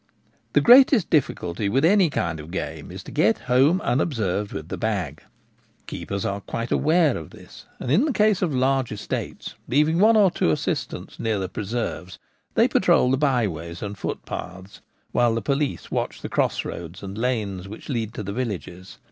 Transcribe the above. The greatest difficulty with any kind of game is to get home unobserved with the bag. Keepers are quite aware of this ; and in the case of large estates, leaving one or two assistants near the preserves, they patrol the byways and footpaths, while the police watch the cross roads and lanes which lead to the Receivers of Game. 153 villages.